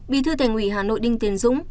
bí thư thành ủy hà nội đinh tiến dũng